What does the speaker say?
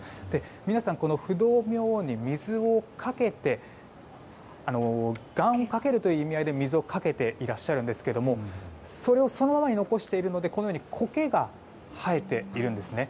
皆さん、不動明王に水をかけて願をかけるという意味合いで水をかけているんですがそれを、そのまま残しているのでコケが生えているんですね。